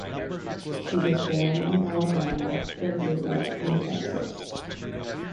She was born in Alabama but grew up in Texas.